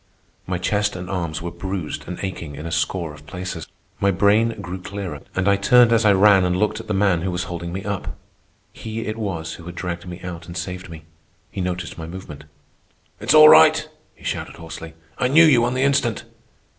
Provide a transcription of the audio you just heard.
My chest and arms were bruised and aching in a score of places. My brain grew clearer, and I turned as I ran and looked at the man who was holding me up. He it was who had dragged me out and saved me. He noticed my movement. "It's all right!" he shouted hoarsely. "I knew you on the instant."